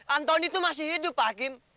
antoni itu masih hidup pak hakim